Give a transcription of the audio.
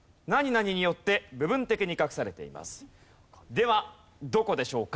ではどこでしょうか？